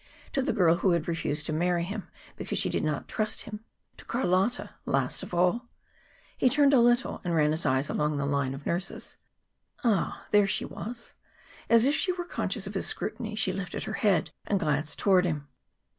to the girl who had refused to marry him because she did not trust him, to Carlotta last of all. He turned a little and ran his eyes along the line of nurses. Ah, there she was. As if she were conscious of his scrutiny, she lifted her head and glanced toward him.